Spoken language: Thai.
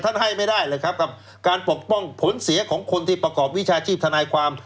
ให้ไม่ได้เลยครับกับการปกป้องผลเสียของคนที่ประกอบวิชาชีพทนายความ